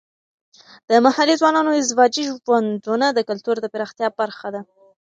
د محلي ځوانانو ازدواجي ژوندونه د کلتور د پراختیا برخه ده.